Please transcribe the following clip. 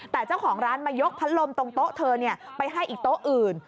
แต่เจ้าของร้านมายกพัดลมตรงโต๊ะเธอไปให้อีกโต๊ะอื่น